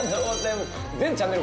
全チャンネル